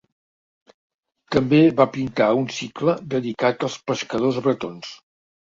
També va pintar un cicle dedicat als pescadors bretons.